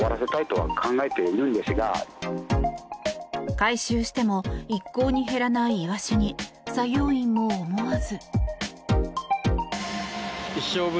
回収しても一向に減らないイワシに、作業員も思わず。